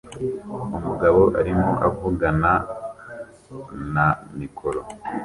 Umugabo arimo avugana na mikoro